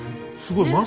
すごい。